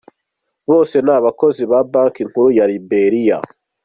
Bose ni abakozi ba banki nkuru ya Liberia.